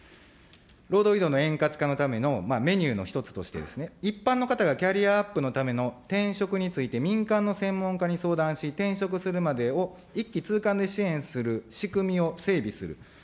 労働移動の円滑化のためのメニューの１つとして、一般の方がキャリアアップのための転職について、民間の専門家に相談し、転職するまでを一気通貫で支援する仕組みを整備する。